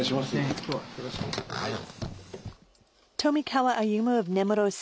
よろしくお願いします。